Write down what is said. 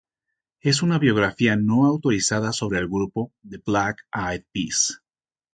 Es una biografía no autorizada sobre el grupo The Black Eyed Peas.